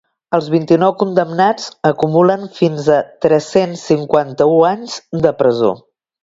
Els vint-i-nou condemnats acumulen fins a tres-cents cinquanta-u anys de presó.